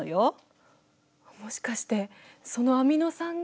もしかしてそのアミノ酸が。